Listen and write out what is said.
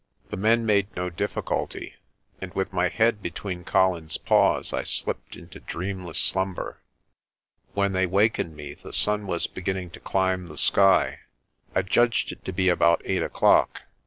The men made no difficulty, and with my head between Colin's paws I slipped into dreamless slumber. When they wakened me the sun was beginning to climb the sky. I judged it to be about eight o'clock.